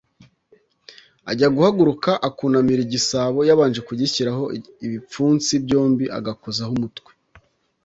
ajya guhaguruka akunamira igisabo, yabanje kugishyiraho ibipfunsi byombi, agakozaho umutwe